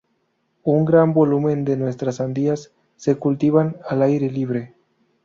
Un gran volumen de nuestras sandías se cultivan al aire libre.